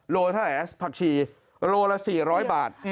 โลเท่าไหร่ผักชีโลละ๔๐๐บาท